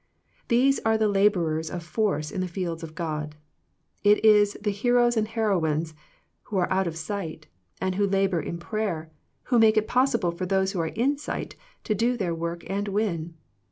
These are the labourers of force in the fields of God. It is the heroes and heroines who are out of sight, and who labour in prayer, who make it possible for those who are in sight to do their work and win.